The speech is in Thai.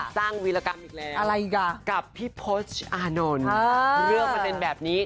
วีรกรรมอีกแล้วกับพี่พศอานนท์เรื่องมันเป็นแบบนี้